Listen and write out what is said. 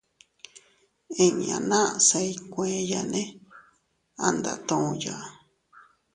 Inña naʼa se iykueyane a ndatuya.